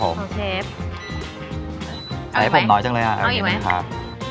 ของเชฟใส่ให้ผมน้อยจังเลยอ่ะเอาอีกไหมเอาอีกไหมครับ